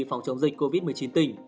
phòng chống dịch covid một mươi chín tỉnh